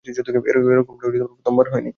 এরকমটা প্রথমবার হয়নি।